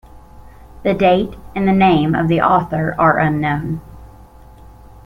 The date and the name of the author are unknown.